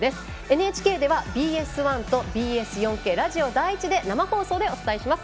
ＮＨＫではＢＳ１とＢＳ４Ｋラジオ第１で生放送でお伝えします。